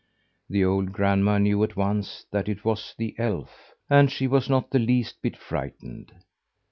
The old grandma knew at once that it was the elf, and she was not the least bit frightened.